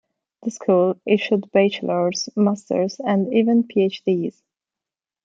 The school issued Bachelor's, Master's, and even PhDs.